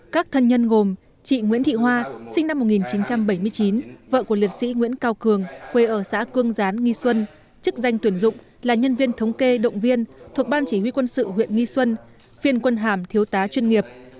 các thân nhân gồm chị nguyễn thị hoa sinh năm một nghìn chín trăm bảy mươi chín vợ của liệt sĩ nguyễn cao cường quê ở xã cương gián nghi xuân chức danh tuyển dụng là nhân viên thống kê động viên thuộc ban chỉ huy quân sự huyện nghi xuân phiên quân hàm thiếu tá chuyên nghiệp